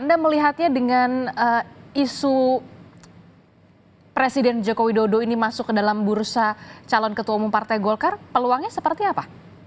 anda melihatnya dengan isu presiden joko widodo ini masuk ke dalam bursa calon ketua umum partai golkar peluangnya seperti apa